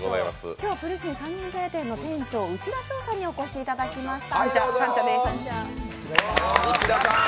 今日はプルシン三軒茶屋店の店長、内田さんにお越しいただきました。